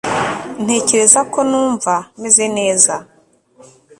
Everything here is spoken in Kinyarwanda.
Ntekereza ko numva meze neza